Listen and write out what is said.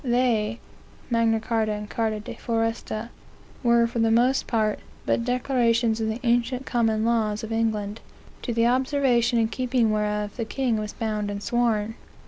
"They (Magna Carta and Carta de Foresta) were, for the most part, but declarations of the ancient common laws of England, to the observation and keeping whereof, the king was bound and sworn.